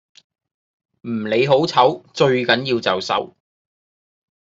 唔理好醜最緊要就手